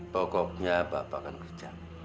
pokoknya bapak akan kerja